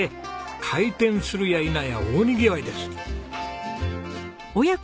開店するやいなや大にぎわいです。